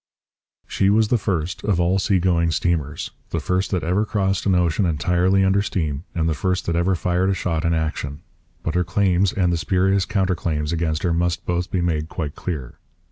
] She was the first of all sea going steamers, the first that ever crossed an ocean entirely under steam, and the first that ever fired a shot in action. But her claims and the spurious counter claims against her must both be made quite clear.